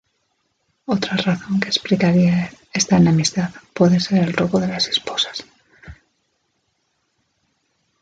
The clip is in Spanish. Otra razón que explicaría esta enemistad puede ser el robo de las esposas.